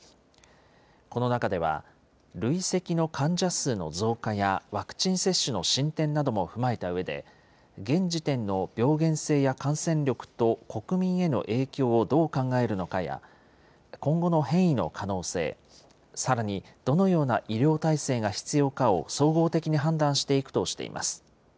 この中では、累積の患者数の増加やワクチン接種の進展なども踏まえたうえで、現時点の病原性や感染力と国民への影響をどう考えるのかや、今後の変異の可能性、さらに、どのような医療体制が必要かを総合的に判断していくとしています。